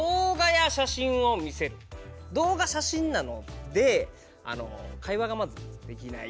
動画写真なので会話がまずできない。